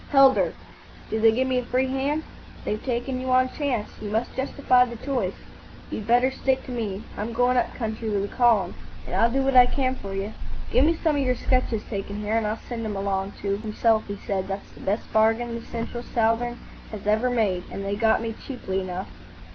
"Heldar. Do they give me a free hand?" "They've taken you on chance. You must justify the choice. You'd better stick to me. I'm going up country with a column, and I'll do what I can for you. Give me some of your sketches taken here, and I'll send 'em along." To himself he said, "That's the best bargain the Central southern has ever made; and they got me cheaply enough."